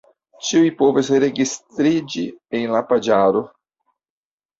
Ĉiuj povas registriĝi en la paĝaro.